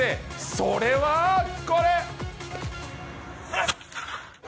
それは、これ。